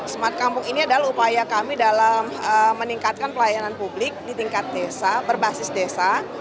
smart kampung ini adalah upaya kami dalam meningkatkan pelayanan publik di tingkat desa berbasis desa